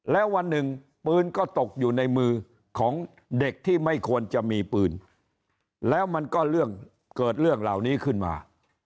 แล้ววันหนึ่งปืนก็ตกอยู่ในมือของเด็กที่ไม่ควรจะมีปืนแล้วมันก็เรื่องเกิดเรื่องเหล่านี้ขึ้นมา